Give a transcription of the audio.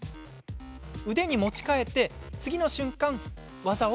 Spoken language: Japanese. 腕に持ち替えて次の瞬間、技をかけていく。